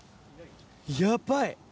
やばい。